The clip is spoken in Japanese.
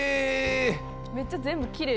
めっちゃ全部きれい。